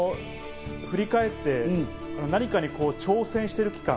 振り返って何かに挑戦している期間。